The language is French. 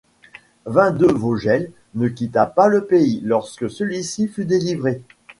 Vindevogel ne quitta pas le pays lorsque celui-ci fut délivré.